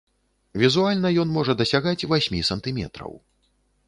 Візуальна ён можа дасягаць васьмі сантыметраў.